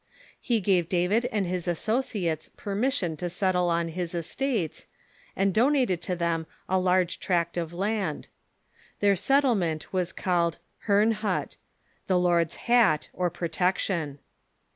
He gave David and his associates per mission to settle on his estates, and donated to them a large tract of land. Their settlement Avas called Herrnhut — the Lord's Hat or Protection.